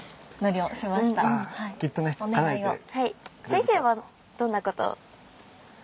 先生はどんなことを？